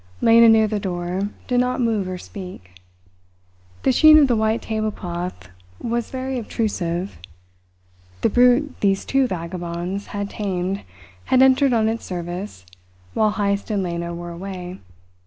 Lena, near the door, did not move or speak. The sheen of the white tablecloth was very obtrusive. The brute these two vagabonds had tamed had entered on its service while Heyst and Lena were away.